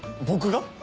僕が？